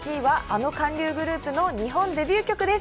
今週の１位はあの韓流グループの日本デビュー曲です。